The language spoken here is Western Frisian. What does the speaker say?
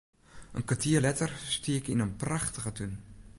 In kertier letter stie ik yn in prachtige tún.